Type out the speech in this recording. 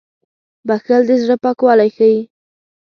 • بښل د زړه پاکوالی ښيي.